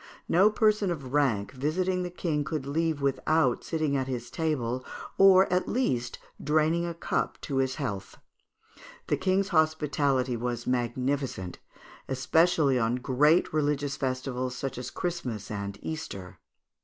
No person of rank visiting the King could leave without sitting at his table, or at least draining a cup to his health. The King's hospitality was magnificent, especially on great religious festivals such as Christmas and Easter.